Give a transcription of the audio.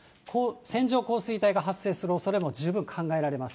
線状降水帯が発生するおそれも十分考えられます。